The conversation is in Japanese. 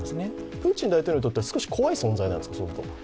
プーチン大統領にとっては少し怖い存在なんですか？